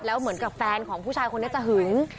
แล้วเหมือนกับแฟนของผู้ชายคนนี้จะหึง